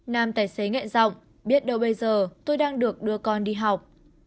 nam tài xế nghẹn rộng biết đâu bây giờ tôi đang được đưa con đi học